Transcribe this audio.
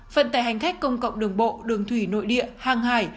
phần tại hành khách công cộng đường bộ đường thủy nội địa hàng hải